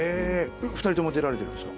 えっ２人とも出られてるんですか？